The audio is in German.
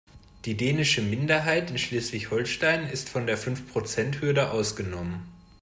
Die dänische Minderheit in Schleswig-Holstein ist von der Fünfprozenthürde ausgenommen.